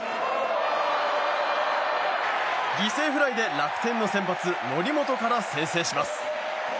犠牲フライで楽天の先発、則本から先制します。